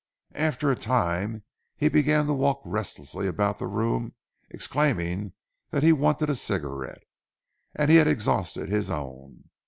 After a time he began to walk restlessly about the room exclaiming that he wanted a cigarette, and he had exhausted his own.